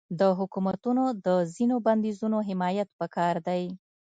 د حکومتونو د ځینو بندیزونو حمایت پکار دی.